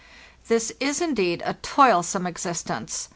This is, indeed, a toilsome existence.